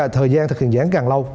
thời gian thực hiện dự án càng lâu